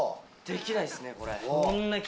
できないっすねこれ。